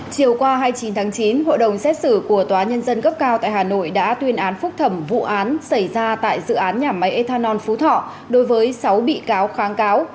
chiều qua hai mươi chín tháng chín hội đồng xét xử của tòa nhân dân cấp cao tại hà nội đã tuyên án phúc thẩm vụ án xảy ra tại dự án nhà máy ethanol phú thọ đối với sáu bị cáo kháng cáo